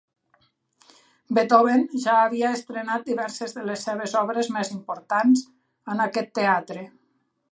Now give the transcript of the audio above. Beethoven ja havia estrenat diverses de les seves obres més importants en aquest teatre.